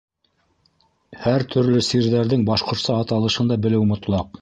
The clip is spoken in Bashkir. Һәр төрлө сирҙәрҙең башҡортса аталышын да белеү мотлаҡ.